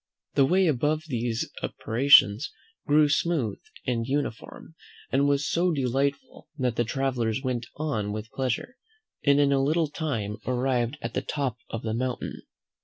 The way above these apparitions grew smooth and uniform, and was so delightful, that the travellers went on with pleasure, and in a little time arrived at the top of the mountain.